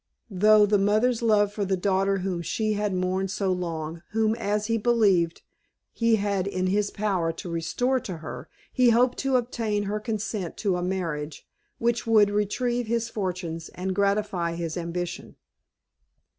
Through the mother's love for the daughter whom she had mourned so long, whom, as he believed he had it in his power to restore to her, he hoped to obtain her consent to a marriage, which would retrieve his fortunes, and gratify his ambition.